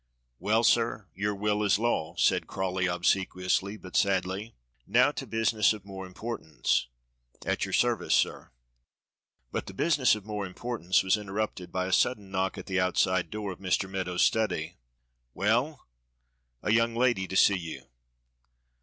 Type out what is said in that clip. "Well, sir, your will is law," said Crawley obsequiously but sadly. "Now to business of more importance." "At your service, sir." But the business of more importance was interrupted by a sudden knock at the outside door of Mr. Meadows' study. "Well!" A young lady to see you.